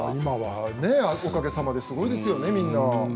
おかげさまですごいですよね、みんな。